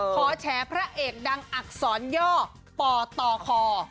แฉพระเอกดังอักษรย่อปตค